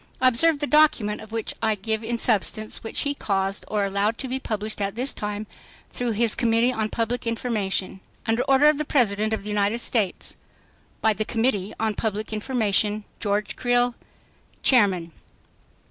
Observe the document, of which I give the substance, which he caused or allowed to be published at this time, through his Committee on Public Information. "OFFICIAL BULLETIN" "Published Daily under order of the President of the United States, by the Committee on Public Information. GEORGE CREEL, Chairman.